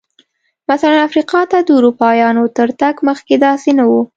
مثلاً افریقا ته د اروپایانو تر تګ مخکې داسې نه و.